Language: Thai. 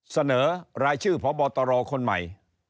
เสนอรายชื่อพบตรคนใหม่